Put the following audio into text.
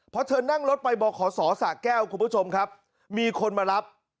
พอเธอนั่งรถไปบขศสะแก้วคุณผู้ชมครับมีคนมารับ